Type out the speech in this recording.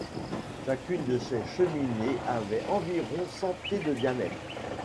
Chacune de ces cheminées avait environ cent pieds de diamètre.